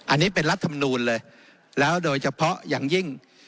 อันนี้เป็นรัฐมนูลเลยแล้วโดยเฉพาะอย่างยิ่ง